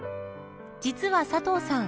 実は佐藤さん